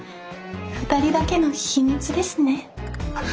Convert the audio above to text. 二人だけの秘密ですね。